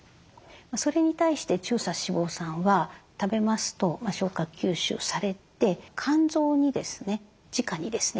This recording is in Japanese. それに対して中鎖脂肪酸は食べますと消化吸収されて肝臓にですねじかにですね